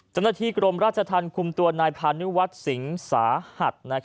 จนกระที่กรมราชธรรมคลุมตัวนายพานุวัฒน์สิงสะหัด